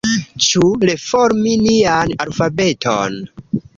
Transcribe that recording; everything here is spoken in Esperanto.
Ĉu reformi nian alfabeton?